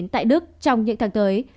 tại đức trong những tháng tới